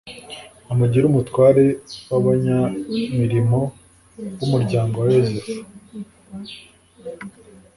amugira umutware w’abanyamirimo b’umuryango wa Yosefu